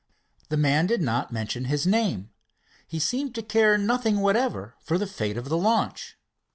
The man did not mention his name. He seemed to care nothing whatever for the fate of the launch.